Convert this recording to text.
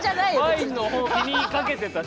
ワインの方気にかけてたし。